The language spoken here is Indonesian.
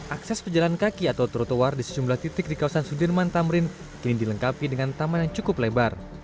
akses pejalan kaki atau trotoar di sejumlah titik di kawasan sudirman tamrin kini dilengkapi dengan taman yang cukup lebar